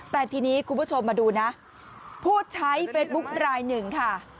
แต่ทีนี้คุณผู้ชมมาดูนะผู้ใช้เฟซบุ๊คลายหนึ่งค่ะ